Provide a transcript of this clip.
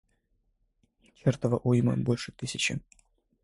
чертова уйма – больше тысячи.